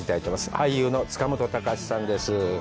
俳優の塚本高史さんです。